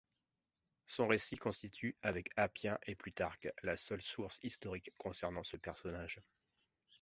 Son récit constitue, avec Appien et Plutarque, la seule source historique concernant ce personnage.